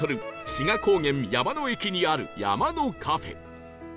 志賀高原山の駅にある山のカフェ